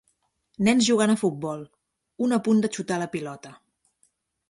Nens jugant a futbol, un a punt de xutar la pilota.